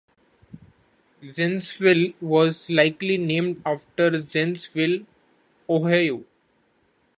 Zanesville was likely named after Zanesville, Ohio.